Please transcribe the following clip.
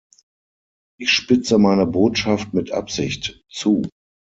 Ich spitze meine Botschaft mit Absicht zu.